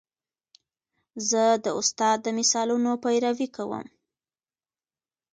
زه د استاد د مثالونو پیروي کوم.